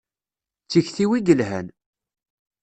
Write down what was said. D tikti-iw i yelhan.